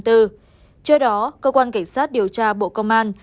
trước đó cơ quan cảnh sát điều tra bộ công an